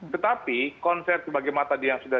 tetapi konser sebagai mata yang sudah